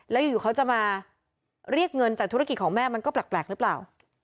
แล้วอยู่เขาจะมาเรียกเงินจากธุรกิจของแม่มันก็แปลกหรือเปล่า